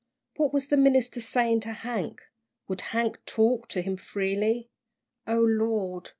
What was the minister saying to Hank? Would Hank talk to him freely? "O Lord!